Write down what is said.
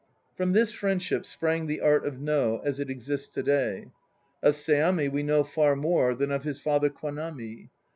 From this friendship sprang the art of No as it exists to day. Of Seami we know far more than of his father Kwanami.